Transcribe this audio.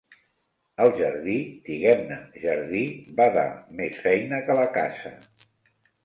El jardí, diguem-ne jardí, va dar més feina que la casa.